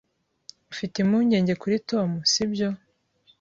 Ufite impungenge kuri Tom, sibyo?